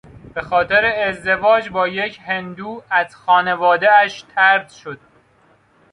به خاطر ازدواج با یک هندو از خانوداهاش طرد شد.